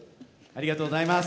ありがとうございます。